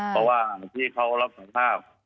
เพราะว่าที่เขารับสารภาพ